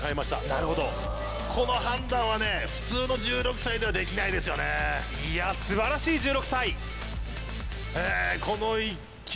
なるほどこの判断は普通の１６歳ではできないですよね素晴らしい１６歳この１球